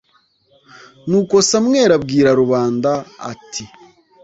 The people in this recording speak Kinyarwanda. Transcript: nuko samweli abwira rubanda, ati